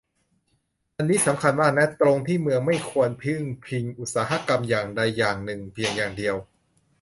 อันนี้สำคัญมากนะ ตรงที่เมืองไม่ควรพึ่งพิงอุตสาหกรรมอย่างใดอย่างหนึ่งเพียงอย่างเดียว